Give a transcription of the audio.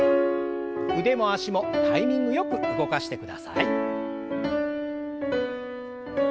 腕も脚もタイミングよく動かしてください。